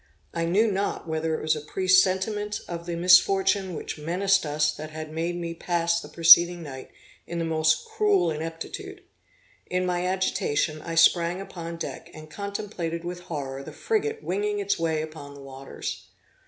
I knew not whether it was a presentiment of the misfortune which menaced us that had made me pass the preceding night in the most cruel inquietude. In my agitation, I sprang upon deck, and contemplated with horror the frigate winging its way upon the waters.